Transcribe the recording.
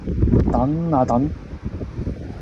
等呀等！